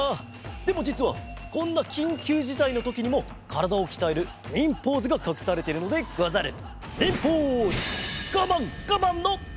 でもじつはこんなきんきゅうじたいのときにもからだをきたえる忍ポーズがかくされてるのでござる。